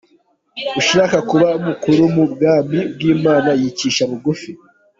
Ushaka kuba mukuru mu Bwami bw’ Imana yicisha bugufi